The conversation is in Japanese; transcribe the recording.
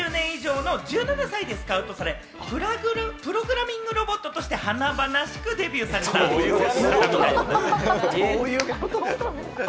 芸歴３０年の１７歳でスカウトされ、プログラミングロボットとして華々しくデビューされたということで。